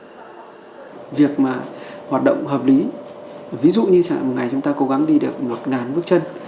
vì vậy việc hoạt động hợp lý ví dụ như một ngày chúng ta cố gắng đi được một ngàn bước chân